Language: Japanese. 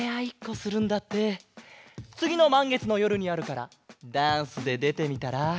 つぎのまんげつのよるにあるからダンスででてみたら？